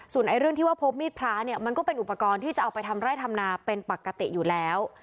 ส่วนเรื่องที่ว่าพบมีดพระเนี่ยมันก็เป็นอุปกรณ์ที่จะเอาไปทำไร่ทำนาเป็นปกติอยู่แล้ว